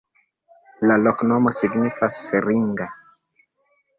La loknomo signifas: ringa.